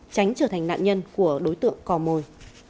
tránh trở thành nạn nhân của đối tượng cò mồi